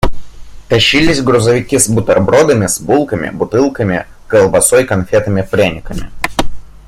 Тащились грузовики с бутербродами, с булками, бутылками, колбасой, конфетами, пряниками.